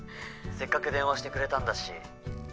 せっかく電話してくれたんだし。